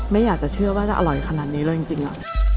ไม่อยากจะเชื่อว่าจะอร่อยขนาดนี้เลยจริงเหรอ